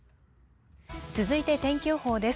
続いて天気予報です。